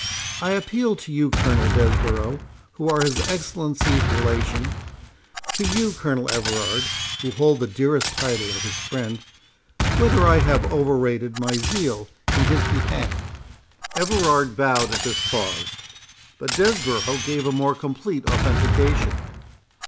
I appeal to you, Colonel Desborough, who are his Excellency's relation—to you, Colonel Everard, who hold the dearer title of his friend, whether I have overrated my zeal in his behalf?" Everard bowed at this pause, but Desborough gave a more complete authentication.